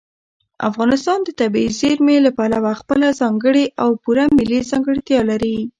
افغانستان د طبیعي زیرمې له پلوه خپله ځانګړې او پوره ملي ځانګړتیا لري.